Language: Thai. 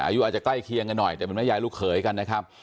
อายุอาจจะใกล้เคียงกันหน่อยแต่เป็นแม่ยายลูกเขยกันนะครับ